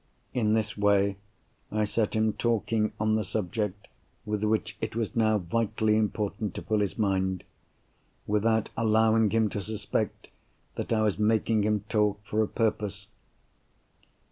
In this way, I set him talking on the subject with which it was now vitally important to fill his mind—without allowing him to suspect that I was making him talk for a purpose.